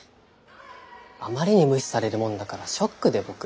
あまりに無視されるもんだからショックでボク。